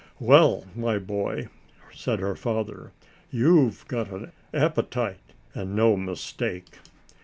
"Well, my boy," said her father, "you've got an appetite and no mistake."